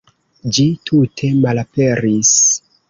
Ĝi tute malaperis.